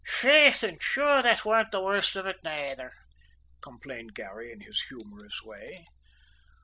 "Faith, an' sure, that warn't the worst of it nayther," complained Garry in his humorous way.